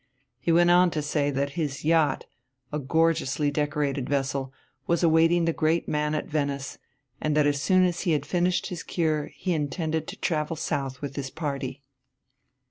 He went on to say that his yacht, a gorgeously decorated vessel, was awaiting the great man at Venice, and that as soon as he had finished his cure he intended to travel south with his party.